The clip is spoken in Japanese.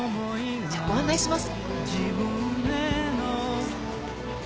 じゃあご案内します。